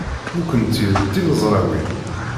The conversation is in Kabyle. Nekkenti d timezrawin.